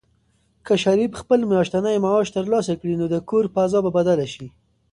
که شریف خپل میاشتنی معاش ترلاسه کړي، نو د کور فضا به بدله شي.